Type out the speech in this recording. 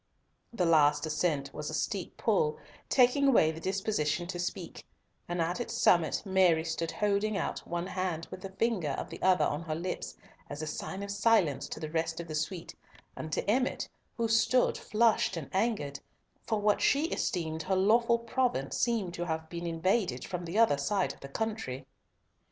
The last ascent was a steep pull, taking away the disposition to speak, and at its summit Mary stood still holding out one hand, with a finger of the other on her lips as a sign of silence to the rest of the suite and to Emmott, who stood flushed and angered; for what she esteemed her lawful province seemed to have been invaded from the other side of the country.